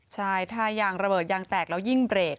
ใช่ถ้ายางระเบิดยางแตกแล้วยิ่งเบรก